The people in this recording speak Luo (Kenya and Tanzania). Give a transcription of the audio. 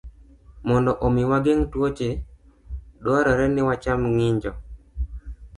Mondo omi wageng' tuoche, dwarore ni wacham ng'injo